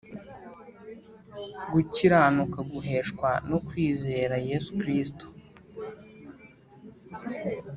Gukiranuka guheshwa no kwizera Yesu Kristo,